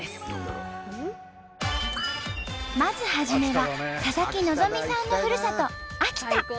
まず初めは佐々木希さんのふるさと秋田。